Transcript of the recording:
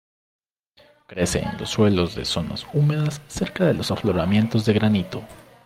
Crece en suelos de zonas húmedas cerca de los afloramientos de granito.